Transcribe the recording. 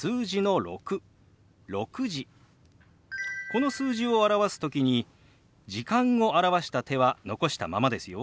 この数字を表す時に「時間」を表した手は残したままですよ。